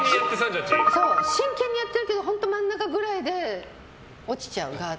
真剣にやってるけど本当、真ん中ぐらいで落ちちゃう。